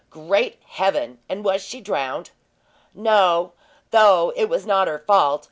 "Great Heaven! and was she drowned?" "No, though it was not her fault.